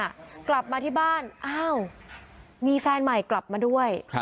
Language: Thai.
กลับมาที่บ้านอ้าวมีแฟนใหม่กลับมาด้วย